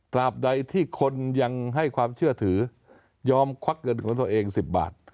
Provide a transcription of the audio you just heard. บใดที่คนยังให้ความเชื่อถือยอมควักเงินของตัวเอง๑๐บาท